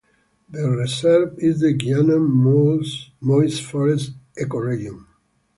The reserve is in the Guianan moist forests ecoregion.